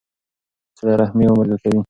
صله رحمي عمر زیاتوي.